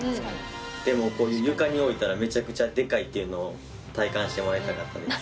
でもこういう床に置いたらめちゃくちゃでかいというのを体感してもらいたかったです。